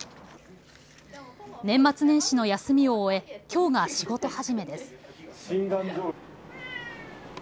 年末年始の休みを終えきょうが仕事始めです。